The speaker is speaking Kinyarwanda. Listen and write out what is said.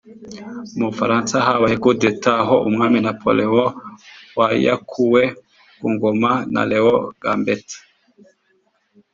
Mu Bufaransa habaye coup d’état aho umwami Napoleon wa yakuwe ku ngoma na Leon Gambetta